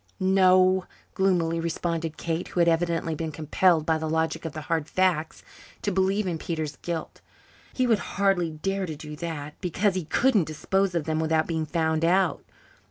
"No," gloomily responded Kate, who had evidently been compelled by the logic of hard facts to believe in Peter's guilt, "he would hardly dare to do that, because he couldn't dispose of them without being found out.